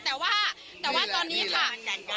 แต่ว่าตอนนี้ค่ะ